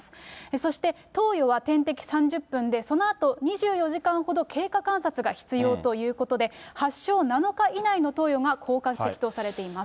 そして投与は点滴３０分で、そのあと２４時間ほど経過観察が必要ということで、発症７日以内の投与が効果的とされています。